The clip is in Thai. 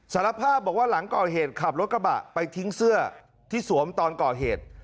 สารภาพบอกว่าหลังก่อเหตุขับรถกระบะไปทิ้งเสื้อที่สวมตอนก่อเหตุ